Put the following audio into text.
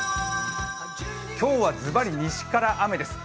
今日はずばり西から雨です。